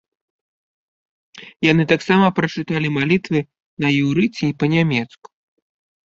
Яны таксама прачыталі малітвы на іўрыце і па-нямецку.